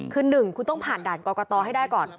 คือ๑คุณต้องผ่านด่านกรกตให้ได้ก่อน